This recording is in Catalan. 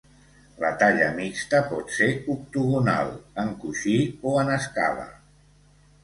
La talla mixta pot ser octogonal, en coixí o en escala.